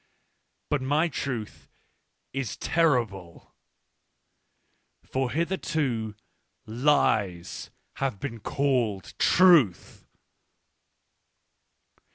But_jnytruth_is terriblg : for hitherto lies have beencafled truth.